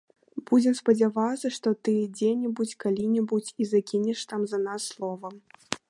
Будзем спадзявацца, што ты дзе-небудзь, калі-небудзь і закінеш там за нас слова.